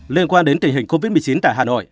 liên quan đến tình hình covid một mươi chín tại hà nội